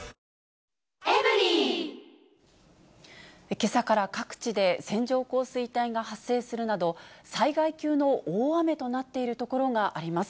けさから各地で、線状降水帯が発生するなど、災害級の大雨となっている所があります。